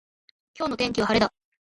今日の天気は晴れだ。